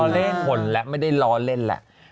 ต่อเล่นคนแหละไม่ได้ล้อเล่นแหละ